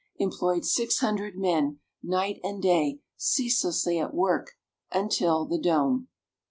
employed six hundred men, night and day, ceaselessly at work upon the dome.